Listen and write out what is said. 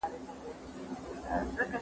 څنګه افغان ځواکونه د هېواد د پولو ساتنه کوي؟